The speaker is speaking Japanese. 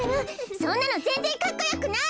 そんなのぜんぜんかっこよくない！